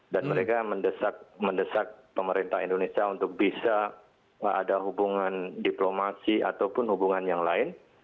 dan mereka mendesak pemerintah indonesia untuk bisa ada hubungan diplomasi ataupun hubungan yang lain